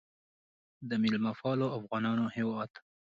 د میلمه پالو افغانانو هیواد.